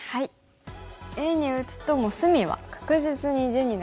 Ａに打つともう隅は確実に地になりますよね。